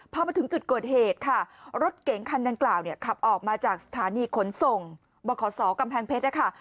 พอมาถึงจุดเกิดเหตุค่ะรถเก๋งคันดังกล่าวเนี่ยขับออกมาจากสถานีขนส่งบขศกำแพงเพชรนะคะ